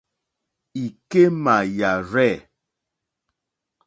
Ìkémà yàrzɛ̂.